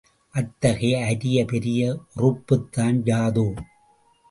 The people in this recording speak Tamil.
அத்தகைய அரிய பெரிய ஒறுப்புதான் யாதோ?